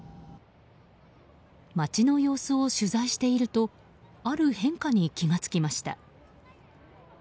街の様子を取材しているとある変化に気が付きました。